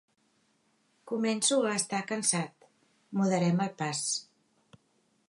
Començo a estar cansat: moderem el pas.